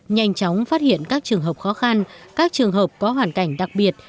nhanh chóng phát hiện các trường hợp khó khăn các trường hợp có hoàn cảnh đặc biệt